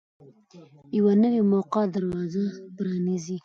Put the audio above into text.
یوه نوې موقع دروازه پرانیزي.